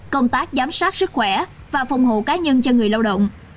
công tác giám sát sức khỏe và phòng hộ cá nhân cho người lao động